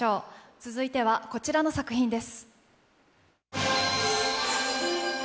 続いてはこちらの作品です。